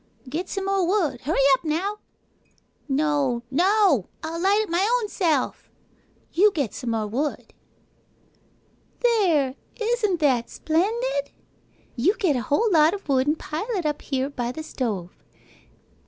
Get some more wood. Hurry up, now! No. No! I'll light it my own self. You get some more wood. There! Isn't that splendid? You get a whole lot of wood an' pile it up here by the stove.